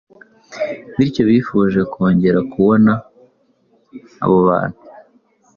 Bityo bifuje kongera kubona abo bantu.